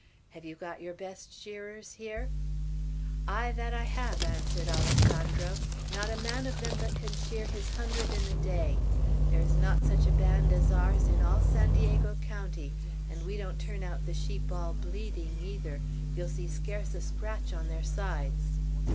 Have you got your best shearers here?" "Ay, that I have," answered Alessandro; "not a man of them but can shear his hundred in a day, There is not such a band as ours in all San Diego County; and we don't turn out the sheep all bleeding, either; you'll see scarce a scratch on their sides."